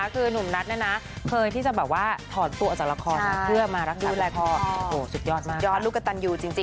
กูไม่ต้องรอปิดกล้องนะจะหาแฟน